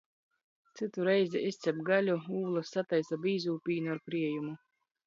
Cytu reizi izcap gaļu, ūlys, sataisa bīzū pīnu ar kriejumu.